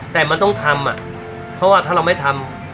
แต่มันต้องทำเพราะว่าถ้าเราไม่ทำ